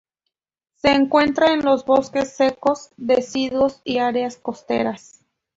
Se encuentra en los bosques secos deciduos y áreas costeras.